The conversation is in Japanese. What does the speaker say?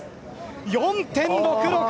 ４．６６！